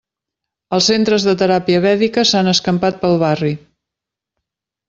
Els centres de teràpia vèdica s'han escampat pel barri.